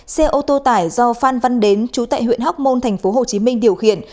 xe ô tô tải do phan văn đến chú tại huyện hóc môn tp hcm điều khiển